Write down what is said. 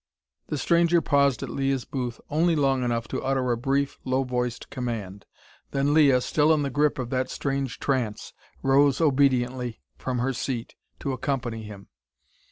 The stranger paused at Leah's booth only long enough to utter a brief low voiced command. Then Leah, still in the grip of that strange trance, rose obediently from her seat to accompany him.